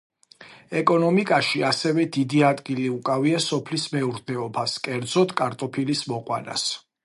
ეკონომიკაში ასევე დიდი ადგილი უკავია სოფლის მეურნეობას, კერძოდ კარტოფილის მოყვანას.